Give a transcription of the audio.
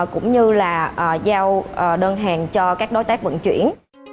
cũng như là giao đơn hàng cho các đối tác vận chuyển